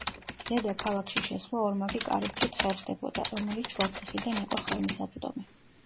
ზედა ქალაქში შესვლა ორმაგი კარიბჭით ხერხდებოდა, რომელიც შუა ციხიდან იყო ხელმისაწვდომი.